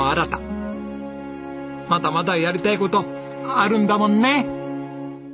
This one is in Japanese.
まだまだやりたい事あるんだもんね！